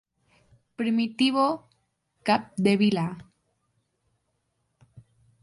Primitivo Capdevila.